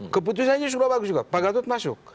keputusannya sudah bagus juga pak gatot masuk